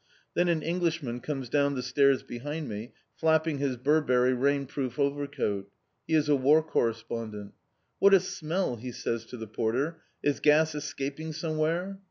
Then an Englishman comes down the stairs behind me, flapping his Burberry rainproof overcoat. He is a War Correspondent. "What a smell!" he says to the porter. "Is gas escaping somewhere?"